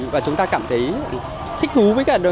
và chúng ta cảm thấy thích thú với cái clip này